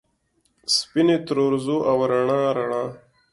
سپینې ترورځو ، او رڼا ، رڼا